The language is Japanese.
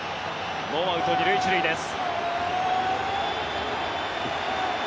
ノーアウト２塁１塁です。